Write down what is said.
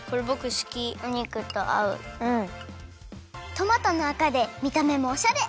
トマトのあかでみためもおしゃれ！